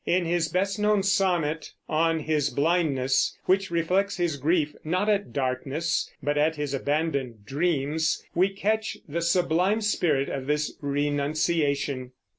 In his best known sonnet, "On His Blindness," which reflects his grief, not at darkness, but at his abandoned dreams, we catch the sublime spirit of this renunciation.